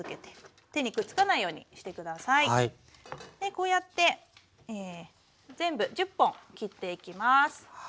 こうやって全部１０本切っていきます。